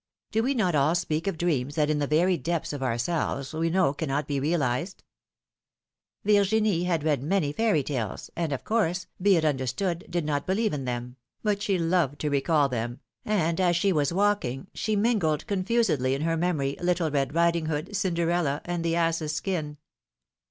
Do we not all speak of dreams that in the very depths of ourselves we know cannot be realized? Virginie had read many fairy tales, and of course, be it understood, did not believe in them, but she loved to recall them, and, as she was walking, she mingled confusedly in 114 phii.om^ine's marriages. her memory, Little Red Riding Hood, Cinderella, and The Ass's Skin.